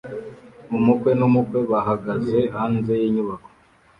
Umukwe n'umukwe bahagaze hanze y'inyubako